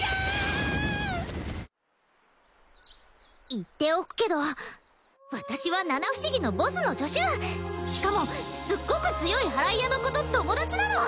言っておくけど私は七不思議のボスの助手しかもすっごく強い祓い屋の子と友達なの！